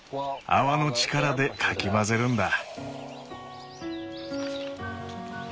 泡の力でかき混ぜるんだ。